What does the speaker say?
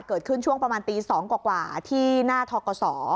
เกิดขึ้นช่วงประมาณตี๒กว่าที่หน้าทกศ